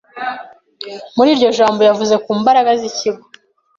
Muri iryo jambo, yavuze ku mbaraga z'ikigo.